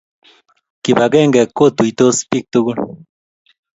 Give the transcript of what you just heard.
Kibakenge kotuitos pik tukul